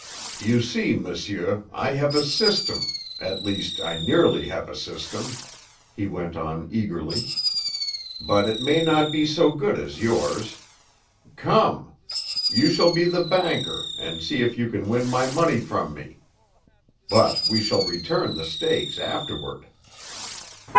"You see, monsieur, I have a system at least, I nearly have a system," he went on eagerly. "But it may not be so good as yours. Come. You shall be the banker, and see if you can win my money from me. But we shall return the stakes afterward."